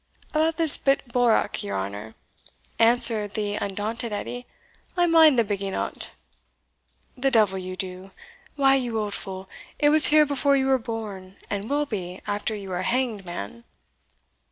"About this bit bourock, your honour," answered the undaunted Edie; "I mind the bigging o't." "The devil you do! Why, you old fool, it was here before you were born, and will be after you are hanged, man!"